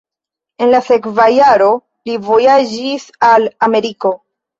En la sekva jaro li vojaĝis al Ameriko.